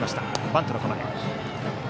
バントの構え。